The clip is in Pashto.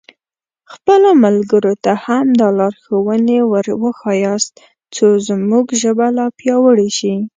خپلو ملګرو ته هم دا لارښوونې ور وښیاست څو زموږ ژبه لا پیاوړې شي.